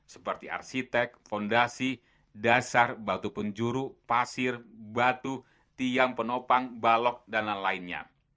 seperti arsitek fondasi dasar batu penjuru pasir batu tiang penopang balok dan lain lainnya